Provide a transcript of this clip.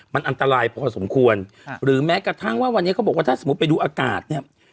มันอันตรายพอสมควรค่ะหรือแม้กระทั่งว่าวันนี้เขาบอกว่าถ้าสมมุติไปดูอากาศเนี่ย